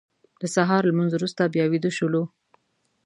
د سهار لمونځ وروسته بیا ویده شولو.